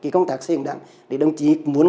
công tác xây hình đảng đồng chí muốn